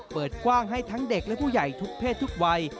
เปิดกว้างให้ทั้งเด็กและผู้ใหญ่ทุกเพศทุกวัย